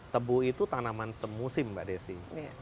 tebu itu tanaman semusim mbak desi